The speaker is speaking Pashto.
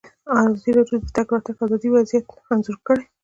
ازادي راډیو د د تګ راتګ ازادي وضعیت انځور کړی.